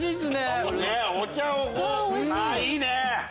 あいいね！